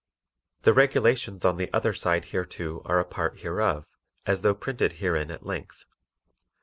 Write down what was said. The regulations on the other side hereto are a part hereof, as though printed herein at length.